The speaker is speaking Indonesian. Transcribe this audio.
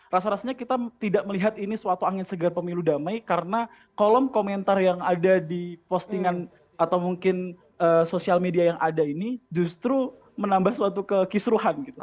rasa rasanya kita tidak melihat ini suatu angin segar pemilu damai karena kolom komentar yang ada di postingan atau mungkin sosial media yang ada ini justru menambah suatu kekisruhan gitu